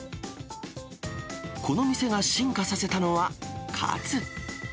この店が進化させたのは、カツ。